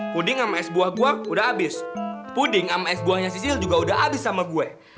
puding sama es buah gue udah abis puding sama es buahnya sisil juga udah abis sama gue